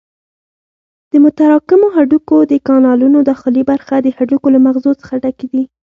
د متراکمو هډوکو د کانالونو داخلي برخه د هډوکو له مغزو څخه ډکې دي.